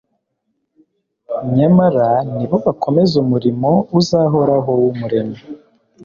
nyamara ni bo bakomeza umurimo uzahoraho w'umuremyi